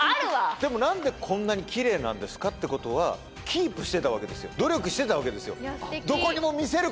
でも何でこんなに奇麗なんですかってことはキープしてたわけですよ努力してたわけですよ。